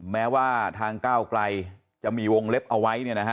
แม้ว่าทางก้าวกลายจะมีวงเล็บเอาไว้เนี่ยนะฮะ